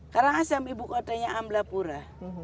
karangasem ibu kotanya amblapura